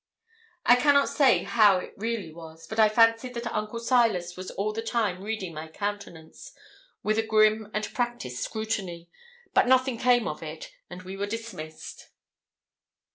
I cannot say how it really was, but I fancied that Uncle Silas was all the time reading my countenance, with a grim and practised scrutiny; but nothing came of it, and we were dismissed.